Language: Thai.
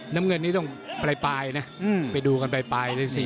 น้ำเงินนี้ต้องปล่ายไปดูกันปล่าย